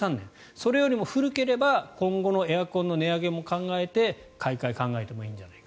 それよりも古ければ今後のエアコンの値上げも考えて買い替えを考えてもいいんじゃないか。